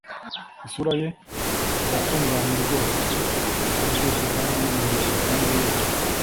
isura ye, iratunganye rwose, araryoshye kandi yoroshye kandi yera.